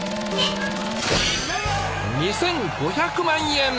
２５００万円！